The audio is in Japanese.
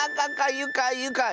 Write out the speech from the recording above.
ゆかいゆかい。